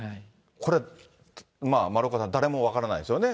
これ、丸岡さん、誰も分からないですよね。